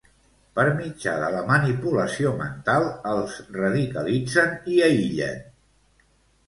Per mitjà de la manipulació mental, els radicalitzen i aïllen.